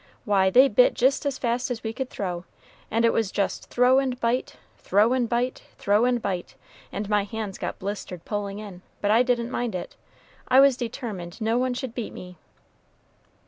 Why, they bit just as fast as we could throw; and it was just throw and bite, throw and bite, throw and bite; and my hands got blistered pulling in, but I didn't mind it, I was determined no one should beat me."